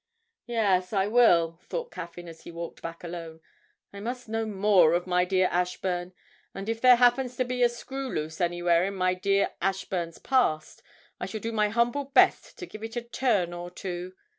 'Yes, I will,' thought Caffyn as he walked back alone. 'I must know more of my dear Ashburn; and if there happens to be a screw loose anywhere in my dear Ashburn's past, I shall do my humble best to give it a turn or two.